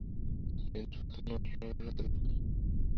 নীরদের কার্যপ্রণালী অত্যন্ত বিধিবদ্ধ।